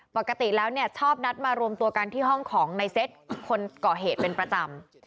ปกติแล้วเนี่ยชอบนัดมารวมตัวกันที่ห้องของในเซตคนก่อเหตุเป็นประจำ